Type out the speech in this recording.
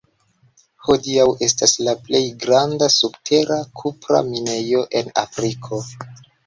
Hodiaŭ estas la plej granda subtera kupra minejo en Afriko.